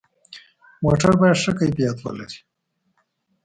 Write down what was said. موټر باید ښه کیفیت ولري.